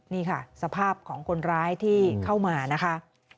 นี่ค่ะสภาพของคนร้ายที่เข้ามานะคะ